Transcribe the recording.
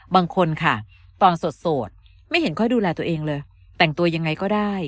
บางคนค่ะตอนโสดไม่เห็นค่อยดูแลตัวเองเลยแต่งตัวยังไงก็ได้